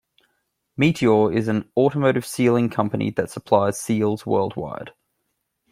Meteor is an automotive sealing company that supplies seals worldwide.